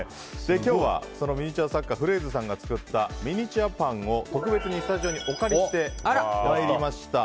今日は、そのミニチュア作家ｆｒａｉｓｅさんが作ったミニチュアパンを特別にスタジオにお借りしてまいりました。